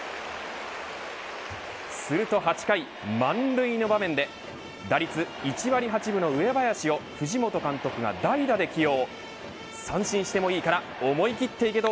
すると８回、満塁の場面で打率１割８分の上林を藤本監督が代打で起用。